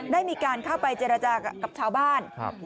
ได้มีการเข้าไปเจรจากับชาวบ้าน